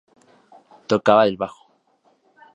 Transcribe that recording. Tocaba el bajo.